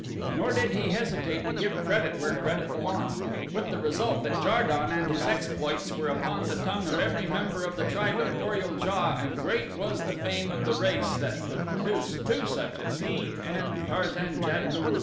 Nor did he hesitate to give credit where credit belonged, with the result that Jar don and his exploits were upon the tongue of every member of the tribe of Kor ul JA and great was the fame of the race that could produce two such as he and Tarzan jad guru.